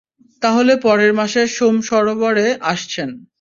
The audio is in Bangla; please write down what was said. তাহলে পরের মাসে সোম সরোবরে আসছেন?